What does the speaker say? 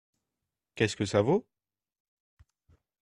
Qu’est-ce que ça vaut ?